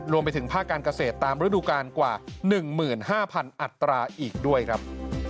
รวมไปถึงภาคการเกษตรตามฤดูกาลกว่า๑๕๐๐อัตราอีกด้วยครับ